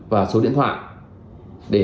và số điện thoại để